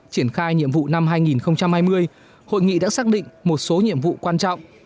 triển khai nhiệm vụ năm hai nghìn hai mươi hội nghị đã xác định một số nhiệm vụ quan trọng